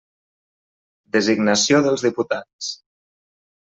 Designació dels diputats.